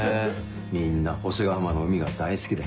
みんな星ヶ浜の海が大好きで。